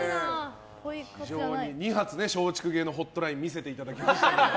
２発で松竹芸能ホットライン見せていただきましたけど。